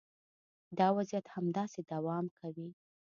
دا وضعیت همداسې دوام کوي.